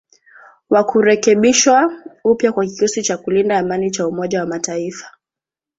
wa kurekebishwa upya kwa kikosi cha kulinda amani cha Umoja wa Mataifa